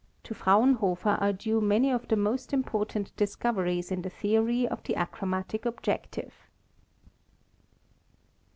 To Fraunhofer are due many of the most important discoveries in the theory of the achromatic ob jective.